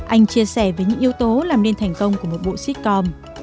anh chia sẻ với những yếu tố làm nên thành công của một bộ sitcom